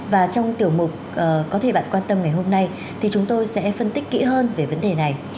và trong tiểu mục có thể bạn quan tâm ngày hôm nay thì chúng tôi sẽ phân tích kỹ hơn về vấn đề này